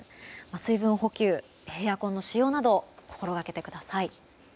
水分補給、エアコンの使用などを心がけてください。